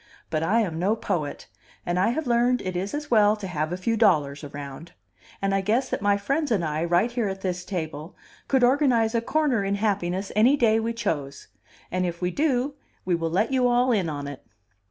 But I am no poet; and I have learned it is as well to have a few dollars around. And I guess that my friends and I, right here at this table, could organize a corner in happiness any day we chose. And if we do, we will let you all in on it."